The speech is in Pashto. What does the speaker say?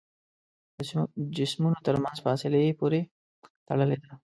د جسمونو تر منځ فاصلې پورې تړلې ده.